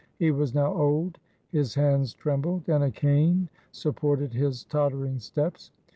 He was now old, his hands trembled, and a cane supported his tottering steps.